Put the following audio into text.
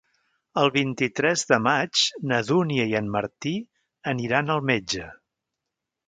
El vint-i-tres de maig na Dúnia i en Martí aniran al metge.